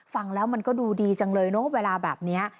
ฟังแล้วมันก็ดูดีจังเลยเนอะเวลาแบบนี้